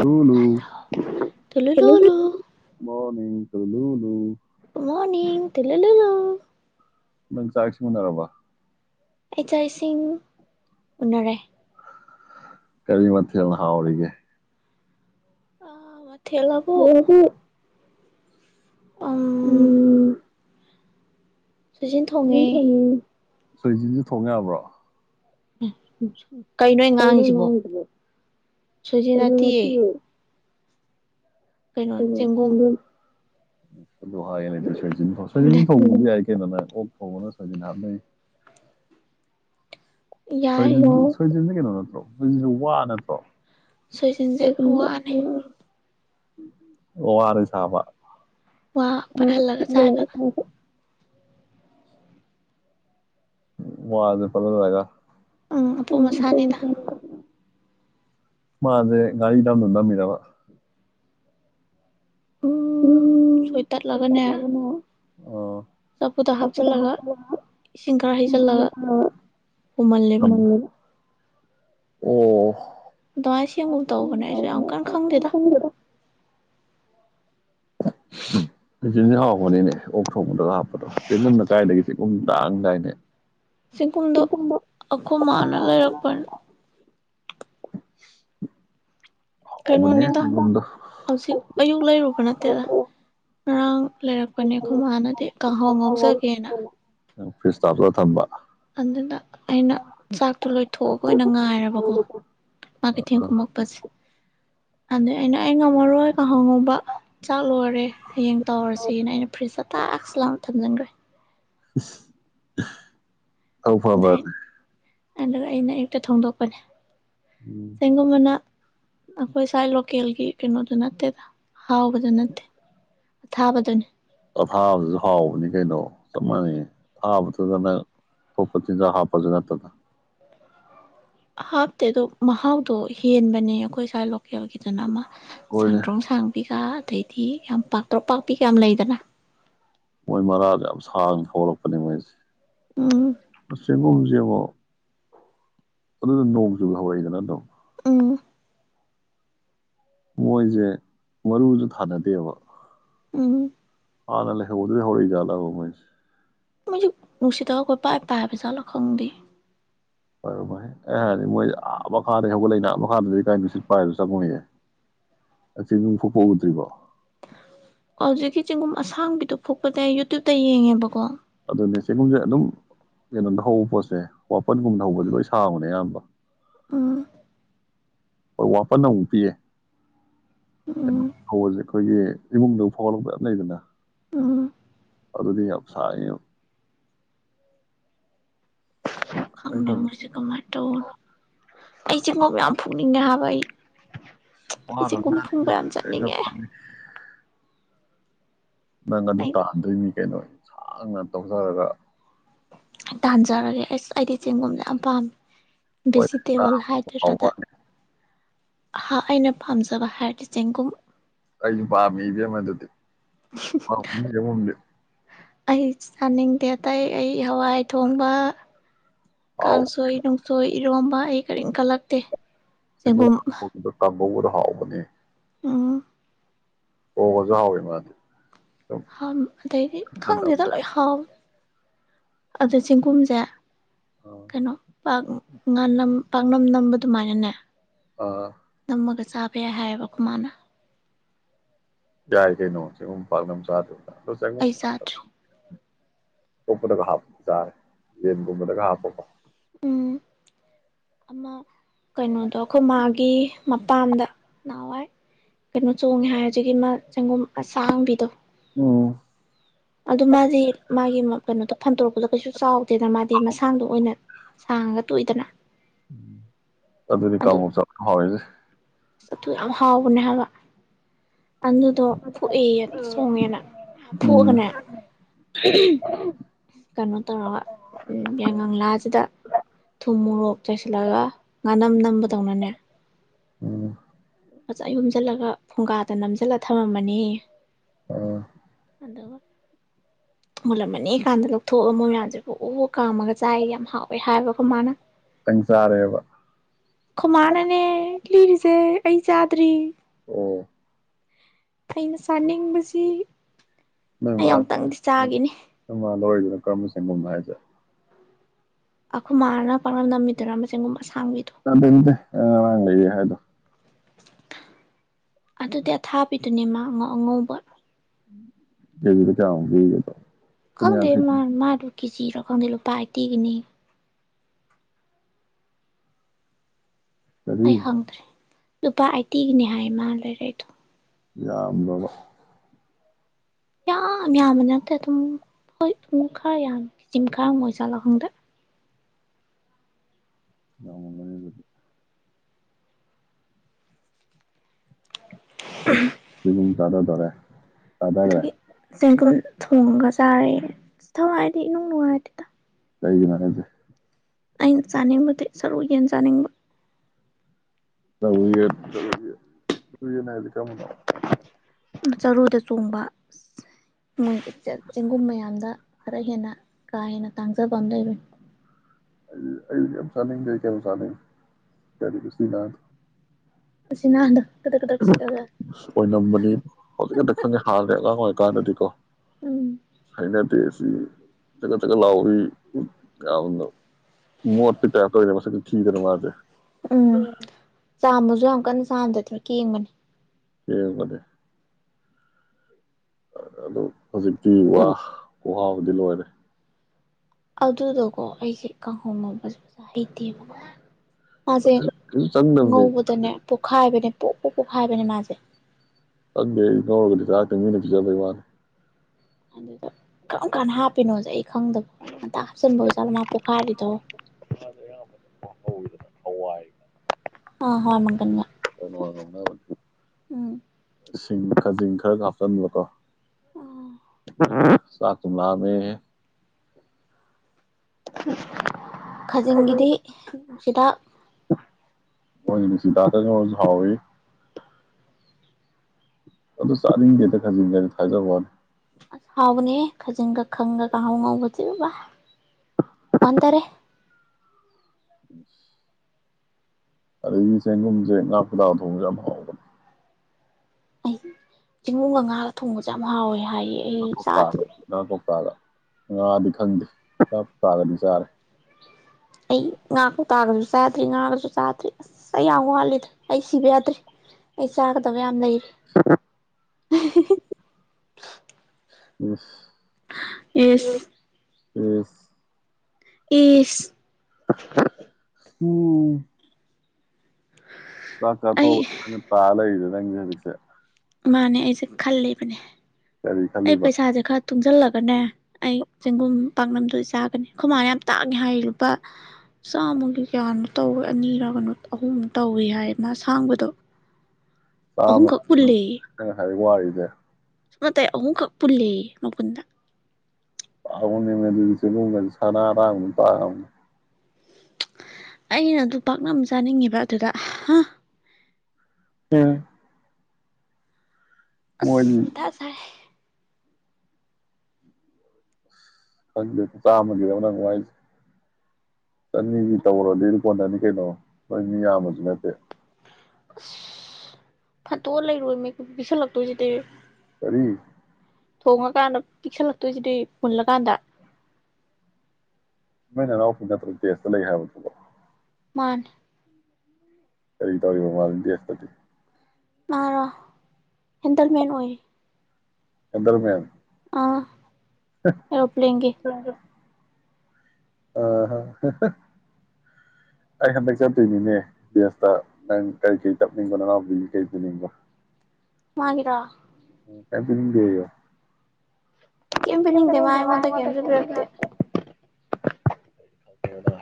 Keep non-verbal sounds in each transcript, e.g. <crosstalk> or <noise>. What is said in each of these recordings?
ꯂꯨ ꯂꯨ ꯃꯅꯤ ꯀ ꯂꯨꯅꯨ ꯃꯣꯔꯅꯤꯡ ꯇꯂ ꯂꯩꯂꯨ ꯅꯡ ꯆꯥꯥꯛꯁꯤ ꯎꯅꯔꯕꯣ ꯑꯩꯆꯥ ꯏꯁꯤꯡ ꯎꯅꯔꯦ ꯀꯔꯤꯃꯊꯦꯜ ꯍꯥꯥꯎꯥꯎꯒ ꯑ ꯃ ꯃꯊꯦꯜ ꯍꯥꯏꯕꯨ ꯑ ꯎꯝ ꯎ ꯇꯅꯤ ꯁꯣꯏꯖꯤꯟꯁꯨ ꯊꯣꯡ ꯌꯥꯕ꯭ꯔꯣ ꯀꯩꯅꯣ ꯑꯩ ꯉꯥꯡꯉꯤꯁꯤꯕꯣ ꯁꯣꯏꯖꯤ ꯅꯠꯇꯦꯌꯦ ꯀꯩꯅꯣ ꯆꯦꯡꯒꯨꯝ ꯑꯗꯨ ꯍꯥꯏꯒꯦꯗꯦ ꯁꯣꯏꯖꯤꯟ ꯊꯣꯡꯕꯥ ꯁꯨ ꯌꯥꯏ ꯀꯩꯅꯣꯅ ꯑꯣ ꯊꯣꯡꯕ ꯗ ꯁꯣꯌꯖꯤꯟ ꯍꯥꯞꯅꯩ ꯁꯣꯏꯖꯤꯟ ꯁꯣꯏꯖꯤꯟ ꯀꯩꯅꯣ ꯅꯠꯇ꯭ꯔꯁꯨ ꯋꯥ ꯅꯠꯇ꯭ꯔꯣ ꯑꯗꯨ ꯋꯥ ꯋꯥꯔ ꯆꯥꯕ ꯑ ꯍꯦ ꯑꯗ ꯄꯂ ꯍꯥꯏꯒ ꯎꯝ ꯊ ꯃꯥꯁꯦ ꯉꯥꯔꯤ ꯅꯝꯕꯗꯧ ꯃꯤꯔꯕ ꯎꯝ ꯁꯣꯏ ꯇꯠꯂꯒꯅꯦ ꯑꯣ ꯆꯐꯨꯠꯇ ꯍꯥꯞꯆꯤꯜꯂꯒ ꯏꯁꯤꯡ ꯈꯔ ꯍꯩꯆꯜꯂꯒ ꯄꯨꯝꯃꯜꯂꯦꯕ ꯑꯣꯝ ꯑꯗꯨꯃꯥꯏꯅ ꯁꯦꯝꯒꯨꯝ ꯇꯧꯕꯅꯦ ꯑꯩꯁꯨ ꯌꯥꯝ ꯀꯟꯅ ꯈꯪꯗꯦꯗ ꯁꯣꯏꯖꯤꯟꯁ ꯍꯥꯎꯕꯅꯤꯅꯦ ꯑꯣꯛ ꯊꯣꯡꯕꯗ ꯍꯥꯞꯄꯗꯣ ꯆꯤꯟꯖꯨꯝꯅ ꯀꯥꯏꯗꯒꯤꯁꯤꯦ ꯀꯨꯝ ꯇꯥꯛꯑꯗꯥꯏꯅꯦ ꯆꯦꯡꯒꯨꯝꯗꯣ ꯑꯩꯈꯣꯏ ꯃꯥꯥꯟꯅ ꯂꯩꯔꯛꯄꯅꯤ ꯀꯩꯅꯣꯅꯤꯗ ꯍꯧꯖꯤꯛ ꯑꯌꯨꯛ ꯂꯩꯔꯨꯕ ꯅꯠꯇꯦꯗ ꯉꯔꯡ ꯂꯩꯔꯛꯄꯅꯦ ꯑꯩꯈꯣꯏ ꯃꯥꯅꯗꯤ ꯀꯥꯡꯍꯧ ꯉꯧꯖꯒꯦꯅ ꯐꯔꯤꯁꯇꯥꯥꯞꯇ ꯊꯝꯕ ꯑꯗꯨꯗ ꯑꯩꯅ ꯆꯥꯛꯇꯣ ꯂꯣꯏꯊꯣꯛꯑꯒ ꯑꯣꯏꯅ ꯉꯥꯏꯔꯕꯀꯣ ꯃꯥ ꯀꯩꯊꯦꯡ ꯀꯨꯝꯃꯛꯄꯁꯦ ꯑꯗꯨꯗꯩ ꯑꯩꯅ ꯑꯩ ꯉꯝꯃꯔꯣꯏ ꯉꯥꯍꯧ ꯉꯧꯕ ꯆꯥꯛ ꯂꯣꯏꯔꯦ ꯍꯌꯦꯡ ꯇꯧꯔꯁꯤꯅ ꯑꯩꯅ ꯐ꯭ꯔꯤꯖꯇ ꯇꯥꯛꯁꯤꯂꯥꯞ ꯊꯝꯖꯤꯟꯈ꯭ꯔꯦ <unintelligible> ꯑꯥꯎ ꯐꯕ ꯑꯗꯨꯒ ꯑꯩꯅ ꯑꯌꯨꯛꯇ ꯊꯣꯡꯗꯣꯛꯄꯅꯦ ꯆꯒ ꯃꯅꯥ ꯑꯩꯈꯣꯏ ꯁ꯭ꯋꯥꯏ ꯂꯣꯀꯦꯜꯒꯤ ꯀꯩꯅꯣꯗꯨ ꯅꯠꯇꯦꯗ ꯍꯥꯎꯕꯗ ꯅꯠꯇꯦ ꯑꯊꯥꯕꯗꯨꯅꯤ ꯑꯊꯥꯕꯗꯨꯁꯨ ꯍꯥꯎꯕꯅꯤ ꯀꯩꯅꯣ ꯆꯞ ꯃꯥꯟꯅꯩ ꯑꯊꯥꯕꯗꯨꯗ ꯅꯪ ꯑꯇꯣꯞꯄ ꯆꯤꯟꯖꯥꯛ ꯍꯥꯞꯄꯁꯨ ꯅꯠꯇꯅ ꯍꯥꯞꯇꯦ ꯑꯗꯣ ꯃꯍꯥꯎꯗꯣ ꯍꯦꯟꯕꯅꯦ ꯑꯩꯈꯣꯏ ꯁ꯭ꯋꯥꯏ ꯂꯣꯀꯦꯜꯒꯤꯗꯨꯅ ꯑꯃ ꯁꯪꯗ꯭ꯔꯣꯡ ꯁꯥꯡꯕꯤꯒ ꯑꯗꯩꯗꯤ ꯌꯥꯝ ꯄꯥꯛꯇ꯭ꯔꯣ ꯄꯥꯛꯄꯤ ꯀꯌꯥꯝ ꯂꯩꯗꯅ ꯃꯣꯏ ꯃꯔꯥꯗ ꯌꯥꯝ ꯁꯥꯡꯅ ꯍꯧꯒꯂꯛꯄꯅꯤ ꯃꯣꯏꯁꯦ ꯐꯁꯦ ꯀꯨꯝꯁ ꯌꯦꯕꯣ ꯑꯗꯨꯗ ꯅꯣꯡ ꯆꯨꯕ ꯍꯧꯔꯛꯏꯗꯅ ꯑꯗꯨꯝ ꯑꯣꯥ ꯃꯣꯏꯁꯦ ꯃꯔꯨꯁꯨ ꯊꯥꯅꯗꯦꯕ ꯎꯝ ꯍꯥꯟꯅ ꯂꯩ ꯍꯗ꯭ꯔꯦ ꯍ ꯍꯧꯔꯣꯏꯖꯂꯒꯃꯥꯏꯁꯦ ꯃ ꯅꯨꯡꯁꯤ ꯇꯒ ꯀꯣꯏ ꯄꯥꯏ ꯄꯥꯏꯕꯩꯁꯥ ꯂꯧ ꯈꯪꯗꯤ ꯐ ꯑꯦ ꯍꯥꯏꯔꯗꯤ ꯃꯣꯏ ꯑꯥ ꯃꯈꯥꯗꯩ ꯍꯧꯒꯠꯂꯏꯅꯥ ꯃꯈꯥꯗꯗꯤ ꯀꯥꯏ ꯁꯤꯠ ꯄꯥꯏꯔꯁꯨ ꯆꯠꯄ ꯉꯌꯦꯦ ꯐꯣꯛꯄꯣꯛ ꯎꯗ꯭ꯔꯤꯕꯣ ꯑꯣ ꯍꯧꯖꯤꯛꯀꯤ ꯆꯦꯡꯒꯨꯝ ꯑꯁꯥꯡꯕꯤꯗꯨ ꯐꯣꯛꯄꯗ ꯌꯨꯇꯌꯨꯕꯇ ꯌꯦꯡꯉꯦꯕꯀꯣ ꯑꯗꯨꯅꯦ ꯆꯦꯒꯨꯝꯁꯦ ꯑꯗꯨꯝ ꯀꯩꯅꯣꯗ ꯍꯧꯕ ꯄꯣꯠꯁꯦ ꯋꯥꯄꯟꯒꯨꯝꯕꯅ ꯍꯧꯕꯁꯦ ꯂꯣꯏ ꯁꯥꯡꯕꯅꯦ ꯑꯌꯥꯝꯕ ꯑꯥ ꯍꯣꯏ ꯋꯥꯄꯟꯅ ꯑꯃꯨꯛ ꯄꯤꯌꯦ ꯁꯦ ꯑꯩꯈꯣꯏꯒꯤ ꯏꯃꯨꯡꯗ ꯐꯥꯎꯜ ꯌꯥꯝꯝ ꯂꯩꯕꯅ ꯑ ꯑꯗꯨꯗꯨꯗꯤꯕꯁꯥ ꯈꯪꯅꯤꯡ ꯃꯁꯦ ꯀꯃꯥꯏꯅ ꯇꯧꯕꯅꯣ ꯑꯩ ꯆꯤꯡꯒꯣ ꯃꯌꯥꯝ ꯐꯛꯅꯤꯡꯉꯦ ꯍꯥꯏꯕ ꯍꯏ ꯏꯆꯦ ꯀꯨꯝ ꯐꯨꯡꯕ ꯌꯥꯝ ꯆꯠꯅꯤꯡꯉꯦ ꯅꯪ ꯑꯗꯨ ꯑꯗꯨ ꯇꯥꯍꯟꯗꯣꯏꯅꯤ ꯀꯩꯅꯣ ꯁꯥꯡꯅ ꯇꯧꯊꯔꯒ ꯥꯟꯖꯥꯔꯒꯦꯗꯤ ꯆꯦꯡꯒꯨꯝꯅ ꯄꯥꯝꯃꯤ ꯚꯤꯖꯤꯇꯦꯕꯜ ꯍꯥꯏꯗ꯭ꯔꯒ ꯍꯥ ꯑꯩꯅ ꯄꯥꯝꯖꯕ ꯍꯥꯏꯔꯗꯤ ꯆꯦꯡꯒꯨꯝ ꯑꯩꯁꯨ ꯄꯥꯝꯃꯤ ꯏꯕꯦꯝꯃꯦ ꯑꯗꯨꯗꯤ ꯑ ꯎ ꯎ ꯂꯩ ꯑꯩ ꯆꯥꯅꯤꯡꯗꯦ ꯑꯇꯩ ꯑꯩ ꯍꯋꯥꯏ ꯊꯣꯡꯕ ꯀꯥꯡꯁꯣꯏ ꯅꯨꯡꯁꯣꯏ ꯏꯔꯣꯝꯕ ꯑꯩ ꯀꯔꯤꯝ ꯀꯜꯂꯛꯇꯦ ꯆꯕꯨꯝ ꯑꯗꯨꯥꯎ ꯃꯅꯦ ꯑꯥ ꯑꯣ ꯋꯥꯖꯣꯍꯥꯎꯕ ꯏ ꯃꯥꯗꯤ ꯑꯗꯩꯗꯤ ꯈꯪꯗꯦꯗ ꯂꯣꯏ ꯍꯥꯎ ꯑꯗꯨꯗ ꯆꯦꯡꯒꯨꯝꯁꯦ ꯀꯩꯅꯣ ꯥꯛ ꯄꯥꯛꯅꯝꯅꯝꯕ ꯑꯗꯨꯃꯥꯏꯅꯅꯦ ꯑ ꯃꯒꯁꯥꯕꯦ ꯍꯥꯏꯕꯈꯃꯅ ꯌꯥꯏ ꯀꯩꯅꯣ ꯁꯤꯨꯝ ꯄꯥꯛꯅ ꯆꯥꯗ꯭ꯔ ꯑꯩ ꯆꯥꯇ꯭ꯔꯤ ꯑꯣꯄꯗ ꯍꯥꯄ ꯆꯔꯦ ꯌꯦꯄꯗꯒ ꯍꯥꯄꯄ ꯎꯝ ꯑꯃ ꯀꯩꯅꯣꯗꯣ ꯑꯩꯈꯣꯏ ꯃꯥꯒꯤ ꯃꯄꯥꯝꯗ ꯅꯍꯥꯟꯋꯥꯏ ꯀꯩꯅꯣ ꯆꯣꯡꯉꯦ ꯍꯥꯏꯁꯤꯒꯤ ꯃꯥ ꯆꯪꯒꯨꯝ ꯑꯁꯥꯡꯕꯤꯗꯣ ꯑꯣ ꯑꯗꯨ ꯃꯥꯗꯤ ꯃꯥꯒꯤ ꯀꯩꯅꯣꯗꯣ ꯐꯟꯗꯣꯔꯛꯄꯗꯣ ꯀꯩꯁꯨ ꯆꯥꯎꯗꯦꯗ ꯃꯥꯗꯤ ꯃꯁꯥꯡꯗꯣ ꯑꯣꯏꯅ ꯁꯥꯡꯉꯒ ꯇꯣꯏꯏꯗꯅ ꯎ ꯑꯗꯨꯗꯤ ꯀꯥꯡ ꯆꯥꯎ ꯍꯥꯎꯔꯤꯁꯦ ꯆꯊꯨ ꯌꯥꯝ ꯍꯥꯎꯕꯅꯦ ꯍꯥꯏꯕ ꯑꯗꯨꯗꯣ ꯐꯨꯑꯦꯅ ꯁꯣꯡꯉꯦꯅ ꯐꯣꯛꯑꯒꯅꯦ ꯀꯩꯅꯣ ꯇꯧꯔꯒ ꯌꯥꯏꯉꯥꯁꯤꯗ ꯊꯨꯝ ꯃꯣꯔꯣꯛ ꯆꯥꯏꯁꯤꯜꯂꯒ ꯉꯥꯅꯝ ꯅꯝꯕꯗꯧꯅꯅꯦ ꯎꯝ ꯑꯖ ꯑꯩ ꯌꯨꯝꯖꯤꯜꯂꯒ ꯐꯨꯡꯒꯥꯗ ꯅꯝꯁꯤꯜꯂꯛꯇꯦ ꯊꯝꯃꯝꯃꯅꯤ ꯑꯣ ꯑꯗꯨꯒ ꯃꯨꯜꯂꯝꯃꯅꯤ ꯀꯥꯟꯗ ꯂꯧꯊꯣꯛꯑ ꯃꯣꯏ ꯃꯌꯥꯝꯁꯦꯕꯨ ꯎ ꯀꯥꯝꯃꯒ ꯆꯥꯏ ꯌꯥꯝ ꯍꯥꯎꯋꯦ ꯍꯥꯏꯕꯀꯣ ꯃꯥꯅ ꯑꯪꯖꯥꯔꯕ ꯈꯨꯃꯥꯅꯅꯦ ꯂꯤꯔꯤꯁꯦ ꯑꯩ ꯆꯥꯗ꯭ꯔꯤ ꯑ ꯑꯩꯅ ꯆꯅꯤꯡꯕꯁꯤ ꯃꯃ ꯂꯧꯔꯤꯗꯅ ꯀꯔꯝꯕꯅ ꯁꯦꯝꯕꯅꯣ ꯍꯥꯏꯁꯦ ꯑꯩꯈꯣꯏ ꯃꯥꯅ ꯄꯥꯛꯅꯝ ꯅꯝꯃꯤꯗꯔ ꯑꯃ ꯆꯦꯡꯒꯨꯝꯁ ꯗꯗ ꯑ ꯋꯥ ꯍꯥꯏꯗ ꯑꯗꯨꯗꯤ ꯑꯊꯥꯕꯤꯗꯨꯅꯦ ꯃꯥꯉ ꯑꯉꯧꯕ ꯍꯪꯗꯦ ꯃꯥ ꯃꯥ ꯀꯦꯖꯤꯔ ꯈꯪꯗꯦ ꯂꯨꯄꯥ ꯑꯩꯠꯇꯤꯒꯤꯅꯤ ꯑꯩ ꯍꯪꯗ꯭ꯔꯦ ꯂꯨꯄꯥ ꯑꯥꯏꯠꯇꯤꯒꯤꯅꯤ ꯍꯥꯏ ꯃꯥ ꯂꯩꯔꯦꯗꯣ ꯌꯥꯝ ꯕ ꯌꯥꯝ ꯌꯥꯝꯕ ꯅꯠꯇꯦ ꯑꯗꯨꯝ ꯍꯣꯏ ꯈꯔ ꯌꯥꯝ ꯖꯤꯝ ꯈꯔ ꯑꯃ ꯑꯣꯏ ꯆꯠꯂꯣ ꯈꯪꯗꯦ ꯑꯃ ꯉꯦꯗꯤ ꯎ ꯂꯨꯝ ꯥꯗꯥ ꯗꯔꯦ ꯑꯗꯨꯒꯤ ꯆꯦꯡꯒꯨꯝ ꯊꯣꯡꯉꯒꯁꯨ ꯆꯥꯔꯦ ꯊꯋꯥꯏꯗꯤ ꯏꯅꯨꯡ ꯅꯨꯡꯉꯥꯏꯔ ꯑꯗꯨꯦꯗ ꯂꯩꯒꯤꯅꯔꯁꯦ ꯑꯩꯅ ꯆꯥꯅꯤꯡꯕꯗꯤ ꯁꯔꯨ ꯌꯦꯟ ꯆꯥꯅꯤꯡꯕ ꯎꯏꯏꯅ ꯀ ꯆꯔꯨꯗ ꯆꯣꯡꯕ ꯃꯣꯏ ꯆꯦꯡꯒꯨꯝ ꯃꯌꯥꯝꯗ ꯈꯔ ꯍꯦꯟꯅ ꯀꯥ ꯍꯦꯟꯅ ꯇꯥꯡꯖꯕ ꯑꯃ ꯂꯩꯔꯏ ꯑꯌꯁꯅꯤ ꯀ ꯀꯌꯥꯁꯅꯤ ꯀꯔꯤ ꯀꯁꯤ ꯅ ꯑꯁꯤ ꯅꯍꯟꯗ ꯑꯣꯏꯝꯕꯅꯤ ꯍꯧꯖꯤꯛꯀꯤꯥꯟꯛꯇ ꯈꯪꯉꯦ ꯍꯥꯔꯔꯦ ꯑꯉꯥꯡ ꯑꯣꯏꯔꯤ ꯀꯥꯅꯗꯤꯀꯣ ꯍꯥꯏꯅ ꯗꯁ ꯁꯤ ꯆꯀꯠ ꯆꯀꯠ ꯂꯥꯛꯑꯣ ꯌꯥꯝꯅ ꯃꯣꯠꯀꯤ ꯇꯥꯏꯞꯇ ꯑꯣꯏꯗ ꯃꯁꯛꯇ ꯊꯤꯗꯅ ꯃꯥꯁꯦ ꯎꯝ ꯆꯥꯝꯕꯁꯨ ꯌꯥꯝ ꯀꯟꯅ ꯆꯥꯗꯗ ꯀꯦꯡꯕꯅꯤ ꯊꯀꯗꯦ ꯑꯗꯨ ꯍꯧꯖꯤꯛꯇꯤ ꯋꯥ ꯀꯨꯍꯥꯕꯨꯗꯤ ꯂꯣꯏꯔꯦ ꯑꯗꯨꯗꯀꯣ ꯑꯩꯁꯦ ꯀꯥꯡꯍꯧꯉꯝꯕꯁ ꯐꯖ ꯍꯩꯇꯦꯕꯀꯣ ꯃꯥꯁꯦ ꯉꯧꯕꯗꯅꯦ ꯄꯣꯛꯈꯥꯏꯕꯅꯦ ꯄꯨꯣꯛ ꯄꯣꯛ ꯄꯨꯣꯛ ꯍꯥꯏꯕꯅꯤ ꯃꯥꯁꯦ ꯑꯗꯨ ꯃꯤ ꯆ ꯆꯩ ꯃꯥꯅꯤ ꯑꯗꯨ ꯀꯃ ꯀꯥꯟꯅ ꯍꯥꯞꯄꯤꯅꯣꯁ ꯈꯪꯗꯕꯩꯅ ꯉꯥꯛꯞꯆꯤꯟꯕ ꯑꯣꯏꯖꯥꯠꯗ ꯃꯥ ꯄꯣꯛ ꯐꯥꯔꯗꯣ ꯑꯗ ꯑꯌꯥꯝꯕ ꯀꯩꯅꯣ ꯍꯧꯋꯤꯗꯅ ꯍꯋꯥꯏ ꯑ ꯍꯣꯏ ꯃꯪꯒꯅꯤꯒ ꯑ ꯎꯝ ꯁꯤꯡ ꯈꯥꯖꯁꯤꯡ ꯈꯔ ꯀꯥꯞꯆꯟꯕꯀꯣ ꯑ ꯑꯂꯇꯂꯥꯅꯦ ꯎꯝ ꯈꯖꯤꯡꯒꯤꯗꯤ ꯁꯤꯗꯥꯛ ꯍ ꯁꯤꯗꯥꯥ ꯇ ꯍꯧꯖ ꯍꯥꯎ ꯑꯣ ꯆꯥꯅꯤ ꯗꯦꯇ ꯈꯖꯤꯤꯡ ꯍꯥꯏꯖꯕ ꯑꯁ ꯍꯥꯎꯕꯅꯦꯍ ꯈꯖꯤꯒ ꯈꯪꯒ ꯈꯍꯥꯎ ꯉꯥꯎꯕꯁꯤꯕ ꯋꯥꯟ ꯇꯔꯦ ꯑꯗꯤꯁꯦꯒꯨꯝꯁꯦ ꯉꯥ ꯈꯨꯗꯥꯥꯎ ꯊꯣꯡꯁ ꯌꯥꯝ ꯍꯥꯎꯕꯅꯦ ꯆꯤꯡꯒꯨꯒ ꯉꯥꯒ ꯊꯣꯡꯕꯁꯨꯦ ꯌꯥꯝ ꯍꯥꯎꯋꯦ ꯀꯣꯛꯀꯥꯒꯦꯅꯥ ꯀꯣꯛꯀꯥꯑꯒ ꯑꯥꯗꯤ ꯈꯪꯗꯦ ꯆꯞ ꯆꯥꯒꯗꯤ ꯆꯥꯔꯦ ꯑꯩ ꯉꯥ ꯀ ꯇꯥꯒꯁꯨ ꯆꯥꯗ꯭ꯔꯤ ꯉꯥꯒꯁꯨ ꯆꯥꯗ꯭ꯔꯤ ꯑꯁ ꯑꯩ ꯌꯥꯝ ꯋꯥꯠꯂꯤꯗ꯭ꯔ ꯑꯩ ꯁꯤꯕ ꯌꯥꯗ꯭ꯔꯤ ꯑꯩ ꯆꯥꯒꯗꯕ ꯌꯥꯝ ꯂꯩ <unintelligible> ꯎꯝ ꯏꯁꯁ ꯑꯦꯁ ꯏꯁ ꯎꯝ ꯇꯥꯀ ꯊꯧꯒꯅ ꯇꯥ ꯂꯩ ꯁꯦ ꯃꯥꯅꯦ ꯑꯩꯁꯦ ꯈꯜꯜꯂꯤꯕꯅꯦ ꯑꯩ ꯄꯩꯁꯥꯁꯦ ꯈꯔ ꯇꯨꯡꯁꯤꯜꯂꯒ ꯅꯦ ꯑꯩ ꯆꯦꯡꯒꯨꯝ ꯄꯥꯛꯅꯝꯗꯨꯣ ꯆꯥꯒꯅꯤ ꯈꯨꯃꯥꯡ ꯌꯥꯝ ꯇꯥꯛꯉꯦ ꯍꯥꯏ ꯂꯨꯄꯥ ꯆꯥꯝꯃꯒꯤ ꯀꯌꯥꯅꯣ ꯇꯧ ꯑꯅꯤꯔꯒꯅꯣ ꯑꯍꯨꯝ ꯇꯧꯏꯤ ꯍꯥꯏ ꯃꯥꯁꯥꯡꯕꯗꯣ ꯑꯍꯣꯡ ꯀꯛꯃ ꯂꯩ ꯋꯥꯏꯗ ꯉꯥꯏ ꯑꯍꯨꯝꯈꯛ ꯄꯨꯜꯂꯦ ꯃꯄꯨꯟꯗ ꯄꯥꯥꯎꯅꯦ ꯃ ꯆ ꯂꯒ ꯁꯔꯥ ꯑꯔꯝ ꯄ ꯑꯩꯅ ꯑꯗꯨ ꯄꯥꯛꯅ ꯑꯃ ꯆꯥꯅꯤꯡꯉꯦꯕ ꯑꯗꯨꯗ ꯍꯥ ꯑꯝ ꯇꯁꯔꯦ ꯦ ꯆꯃꯒꯔꯒ ꯋꯥꯏꯁ ꯆꯅꯤꯒꯤ ꯇꯧꯔꯣ ꯑꯗꯨ ꯀꯣꯟꯅꯅꯤ ꯀꯩꯅꯣ ꯅꯣꯏ ꯃꯤ ꯌꯥꯝꯕꯁꯨ ꯅꯠꯇꯦ ꯑꯁ ꯐꯠꯇꯣꯛ ꯂꯩꯔꯣꯏꯃꯦ ꯄꯤꯤꯁꯜꯂꯛꯇꯣꯏꯁꯤꯗꯤ ꯁꯔꯤ ꯊꯣꯡꯉꯀꯥꯟꯗ ꯄꯤꯛꯁꯜꯂꯛꯇꯣꯏꯁꯤꯗꯤ ꯃꯨꯜꯂꯀꯥꯟꯗ ꯅꯣꯏ ꯅ ꯂꯥꯛꯎ ꯄ ꯅꯠꯇ꯭ꯔꯨ ꯇꯦꯁꯇ ꯂꯩ ꯍꯥꯏꯕꯗꯨꯣ ꯃꯥ ꯀꯔꯤ ꯇꯧꯔꯤꯕ ꯃꯥꯂꯗꯤꯦ ꯑꯁꯇꯗꯤ ꯑ ꯍꯦꯟꯗꯜꯃꯦꯟ ꯑꯣꯏ ꯑꯦꯗꯔꯃꯦ ꯑꯥ <unintelligible> ꯑ ꯑꯩ ꯍꯟꯗꯛ ꯆꯠꯇꯣꯏꯅꯤꯅꯦ ꯕꯦꯁꯇ ꯅꯪ ꯀꯔꯤ ꯀꯩ ꯆꯠꯅꯤꯡꯕ ꯅꯅꯥꯎꯄꯤ ꯀꯩ ꯄꯤꯅꯤꯡꯕ ꯃꯥꯒꯤꯔꯥ ꯀ ꯑꯗꯨꯗꯣ ꯀꯝ ꯄꯤꯅꯤꯡꯗꯦ ꯃꯥꯥꯏ ꯃꯣꯟꯗ ꯀꯁꯨ ꯄꯤꯔꯛꯇꯦ ꯦ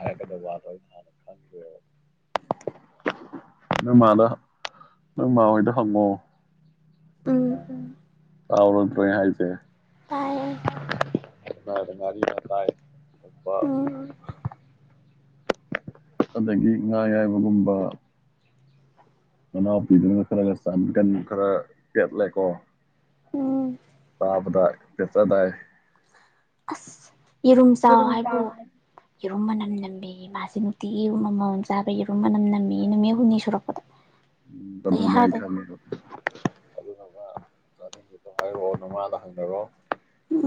ꯍꯥꯏ ꯍꯅ ꯅꯪ ꯃꯥꯗ ꯅꯪ ꯃꯥ ꯍꯣꯏꯗ ꯍꯪꯉꯣ ꯐ ꯇꯥꯎꯔꯖ ꯄ ꯍꯥꯏꯁꯦ ꯗ ꯉꯔꯤ ꯂ ꯇꯥꯏ ꯔꯝꯕ ꯑꯗꯒꯤ ꯉꯥ ꯌꯥꯏꯕꯒꯨꯝꯕ ꯃꯅꯥꯄꯤꯤꯗꯨꯅ ꯈꯔ ꯆꯟ ꯈꯔ ꯄꯦꯠꯂꯦꯀꯣ ꯎꯝ ꯂꯥꯕꯗ ꯄꯊꯗꯏ <unintelligible> ꯌꯦꯔꯨꯝ ꯆꯥꯎ ꯍꯥꯏꯕꯨ ꯌꯦꯔꯨꯝ ꯃꯅꯝ ꯅꯕꯤ ꯃꯥꯁꯤ ꯤ ꯃꯃꯜ ꯆꯥꯕ ꯌꯦꯔꯨꯝ ꯃꯅꯝ ꯅꯝꯃꯤ ꯅꯨꯃꯤꯠ ꯍꯨꯝꯅꯤ ꯁꯨꯔꯛꯄꯗ ꯎꯝ ꯑꯗꯨꯅ ꯑꯩ ꯈꯝ ꯑꯗꯨ ꯃꯥ ꯆꯥꯅꯤꯡꯗꯣ ꯍꯥꯏꯔꯛꯑꯣ ꯅꯃꯥꯗ ꯍꯪꯅꯔꯑꯣ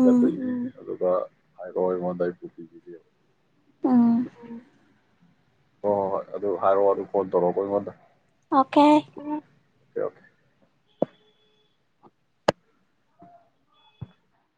ꯍ ꯑꯗꯨꯒ ꯍꯥꯏꯔꯛꯑꯣ ꯑꯩꯉꯣꯟꯗ ꯑꯩ ꯄꯨ ꯄꯤꯕꯤꯒꯦꯕ ꯍꯣꯏ ꯍꯣꯏ ꯍꯣꯏ ꯑꯗꯨ ꯍꯥꯏꯔꯛꯑꯣ ꯑꯗꯨ ꯐꯣꯟ ꯇꯧꯔꯛꯑꯣꯀ ꯑꯩꯉꯣꯟꯗ ꯑꯣꯀꯦ ꯑꯣꯦ ꯑꯣꯀꯦ